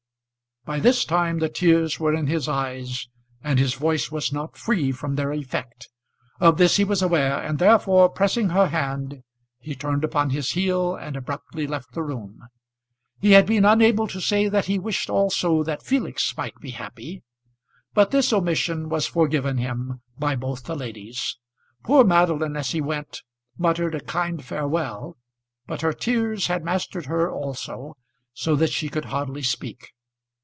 By this time the tears were in his eyes, and his voice was not free from their effect. Of this he was aware, and therefore, pressing her hand, he turned upon his heel and abruptly left the room. He had been unable to say that he wished also that Felix might be happy; but this omission was forgiven him by both the ladies. Poor Madeline, as he went, muttered a kind farewell, but her tears had mastered her also, so that she could hardly speak.